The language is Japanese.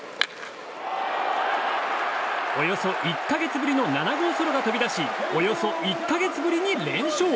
およそ１か月ぶりの７号ソロが飛び出しおよそ１か月ぶりに連勝！